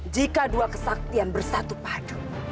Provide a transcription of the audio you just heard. jika dua kesaktian bersatu padu